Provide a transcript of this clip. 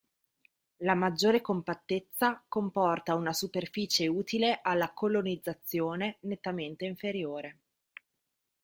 La maggiore compattezza comporta una superficie utile alla colonizzazione nettamente inferiore.